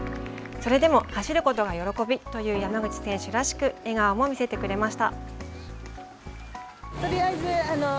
それでも走ることが喜びだという山口選手らしく笑顔も見せてくれました。